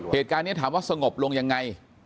เหตุการณ์นี้ถามว่าสงบลงยังไง